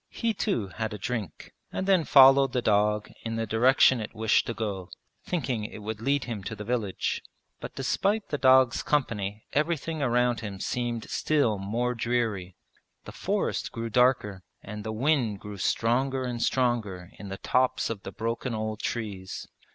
He too had a drink, and then followed the dog in the direction it wished to go, thinking it would lead him to the village. But despite the dog's company everything around him seemed still more dreary. The forest grew darker and the wind grew stronger and stronger in the tops of the broken old trees.